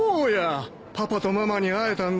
パパとママに会えたんだね。